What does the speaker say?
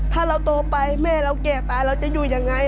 ถ้าเราโตไปแม่เราแก่ตายเราจะอยู่ยังไง